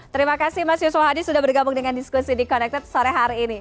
terima kasih mas yusuf hadi sudah bergabung dengan diskusi di connected sore hari ini